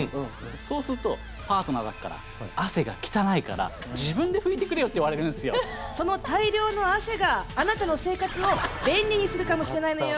そうするとパートナーから「汗が汚いから自分で拭いてくれよ」ってその大量の汗があなたの生活を便利にするかもしれないのよ。